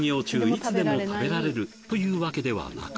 いつでも食べられるというわけではなく